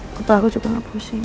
kepala aku juga gak pusing